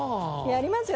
やりますよ